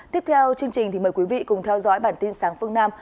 tiếp theo chương trình mời quý vị cùng theo dõi bản tin sáng phương nam